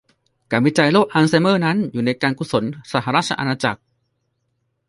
การวิจัยโรคอัลไซเมอร์นั้นอยู่ในการกุศลสหราชอาณาจักร